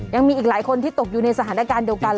ยังมีอีกหลายคนที่ตกอยู่ในสถานการณ์เดียวกัน